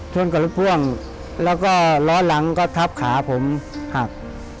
ช่วงการรุภว่งแล้วก็ล้อหลังก็ทัพขาผมหัก